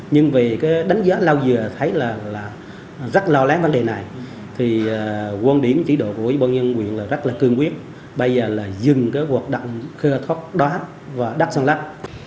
nhưng về đánh giá lao dừa thấy là rất lo lắng vấn đề này thì quân điểm chỉ độ của ubnd nguyễn là rất là cương quyết bây giờ là dừng cái hoạt động khơi thoát đoát và đắt sàn lấp